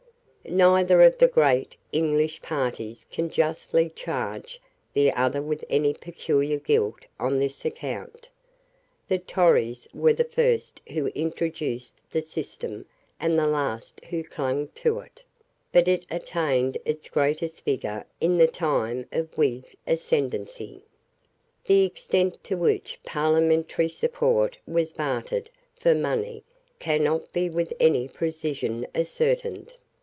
Neither of the great English parties can justly charge the other with any peculiar guilt on this account. The Tories were the first who introduced the system and the last who clung to it; but it attained its greatest vigour in the time of Whig ascendency. The extent to which parliamentary support was bartered for money cannot be with any precision ascertained.